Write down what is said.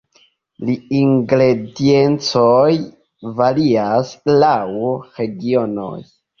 La ingrediencoj varias laŭ regionoj.